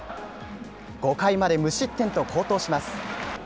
５回まで無失点と好投します。